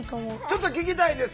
ちょっと聞きたいです